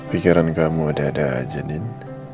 pikiran kamu udah ada aja nin